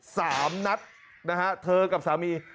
สามนัดนะฮะเธอกับสามี